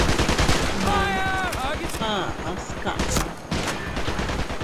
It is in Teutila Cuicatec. Man a aʼas kaʼa.